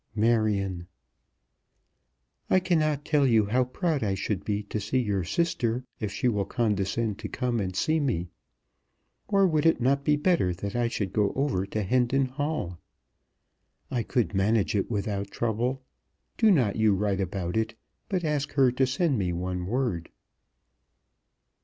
MARION. I cannot tell you how proud I should be to see your sister if she will condescend to come and see me. Or would it not be better that I should go over to Hendon Hall? I could manage it without trouble. Do not you write about it, but ask her to send me one word.